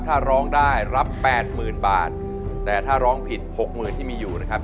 ถ้าร้องได้รับแปดหมื่นบาทแต่ถ้าร้องผิดหกหมื่นที่มีอยู่นะครับ